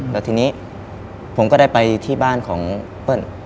แล้วทีนี้ผมก็ได้ไปที่บ้านของเปิ้ล